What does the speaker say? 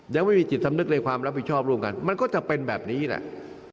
ยังไม่มีจิตสำนึกในความรับผิดชอบร่วมกันมันก็จะเป็นแบบนี้แหละ